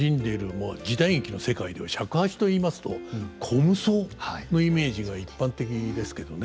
まあ時代劇の世界では尺八といいますと虚無僧のイメージが一般的ですけどね。